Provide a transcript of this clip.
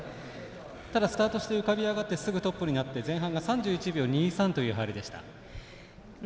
ただ、スタートして浮かび上がってすぐトップになって前半が３１秒２３という入りでした。